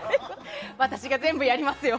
私が全部やりますよ！